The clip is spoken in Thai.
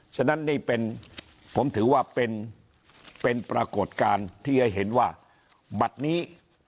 ฉะนั้นนี่เป็นผมถือว่าเป็นปรากฏการณ์ที่จะเห็นว่าบัตรนี้